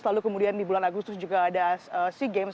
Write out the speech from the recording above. lalu kemudian di bulan agustus juga ada sea games